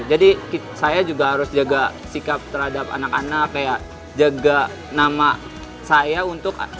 jadi saya juga harus jaga sikap terhadap anak anak jaga nama saya untuk